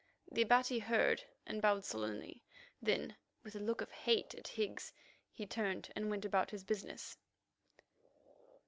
The Abati heard and bowed sullenly. Then, with a look of hate at Higgs, he turned and went about his business.